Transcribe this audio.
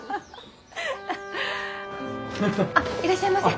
あっいらっしゃいませ。